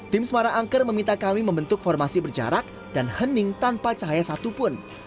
tim semarang angker meminta kami membentuk formasi berjarak dan hening tanpa cahaya satupun